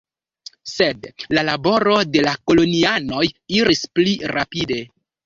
Sed la laboro de la kolonianoj iris pli rapide.